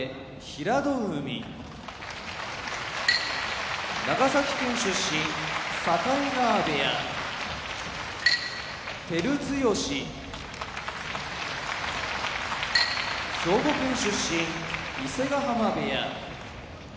平戸海長崎県出身境川部屋照強兵庫県出身伊勢ヶ濱部屋